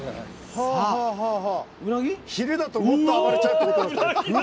ひれだともっと暴れちゃうってことですね。